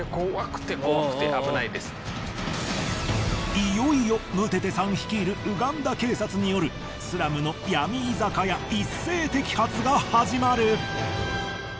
いよいよムテテさん率いるウガンダ警察によるスラムのヤミ居酒屋一斉摘発が始まる！